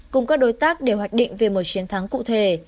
cùng các đối tác để hoạch định về một chiến thắng cụ thể